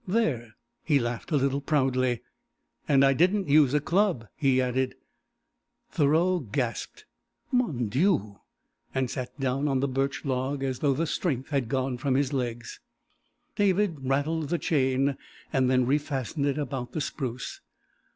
"There!" He laughed a little proudly. "And I didn't use a club," he added. Thoreau gasped "Mon Dieu!" and sat down on the birch log as though the strength had gone from his legs. David rattled the chain and then re fastened it about the spruce.